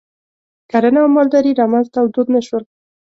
کرنه او مالداري رامنځته او دود نه شول.